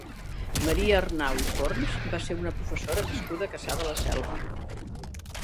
Maria Arnau i Forns va ser una professora nascuda a Cassà de la Selva.